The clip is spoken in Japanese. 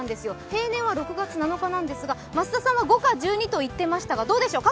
平年は６月７日なんですが、増田さんは５日か１２日と言ってますがどうでしょう。